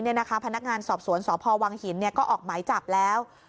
พนักงานสอบสวนสพวังหินก็ออกหมายจับแล้ว